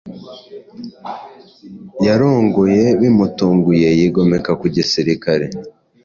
Yarongoye bimutunguye, yigomeka ku gisirikare